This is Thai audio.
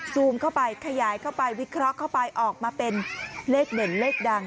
ซูมเข้าไปขยายเข้าไปวิเคราะห์เข้าไปออกมาเป็นเลขเด่นเลขดัง